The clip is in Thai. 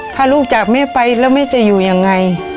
ถ้าลูกจากแม่ไปแล้วแม่จะอยู่ยังไง